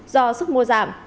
do sức mua giảm